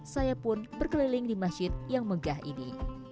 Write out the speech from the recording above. saya pun berkeliling di masjid yang megah ini